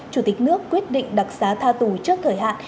chủ tịch nước quyết định đặc xá tha tù trước thời hạn